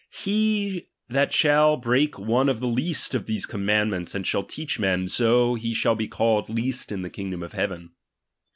He that shall break one of the least of these commandmeuts, and shall teach men so, he shall be called least in the kingdom of heaven.